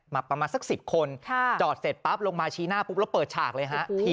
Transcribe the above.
ประมาณสัก๑๐คนจอดเสร็จปั๊บลงมาชี้หน้าปุ๊บแล้วเปิดฉากเลยฮะ